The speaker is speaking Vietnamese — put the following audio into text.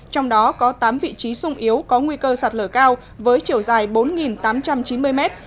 trong đó có tám vị trí sung yếu có nguy cơ sạt lở cao với chiều dài bốn tám trăm chín mươi mét